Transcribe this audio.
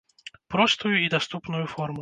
Простую і даступную форму.